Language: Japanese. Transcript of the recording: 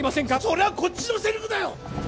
それはこっちのセリフだよ！